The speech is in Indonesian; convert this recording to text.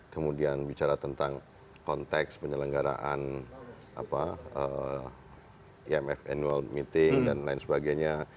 kemudian bicara tentang konteks penyelenggaraan imf annual meeting dan lain sebagainya